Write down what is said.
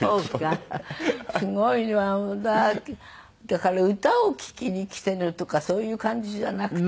だから歌を聴きにきているとかそういう感じじゃなくてね。